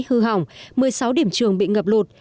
hư hỏng một mươi sáu điểm trường bị ngập lụt